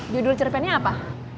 judul cerpennya apa